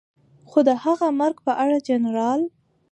خو د هغه مرګ په اړه جنرال